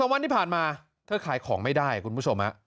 วันที่ผ่านมาเธอขายของไม่ได้คุณผู้ชม